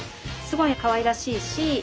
すごいかわいらしいし。